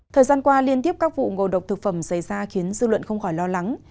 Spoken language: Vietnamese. thời gian qua liên tiếp các vụ ngộ độc thực phẩm xảy ra khiến dư luận không khỏi lo lắng